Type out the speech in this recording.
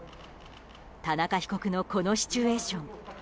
田中被告のこのシチュエーション